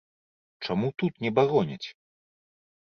Чаму тут не бароняць?